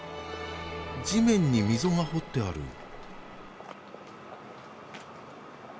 地面に溝が掘ってある。